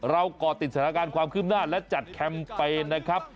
ก่อติดสถานการณ์ความขึ้นหน้าและจัดแคมเปญนะครับ